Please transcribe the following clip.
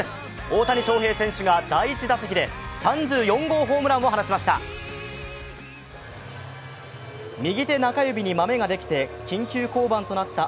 大谷翔平選手が第１打席で３４号ホームランを放ちました。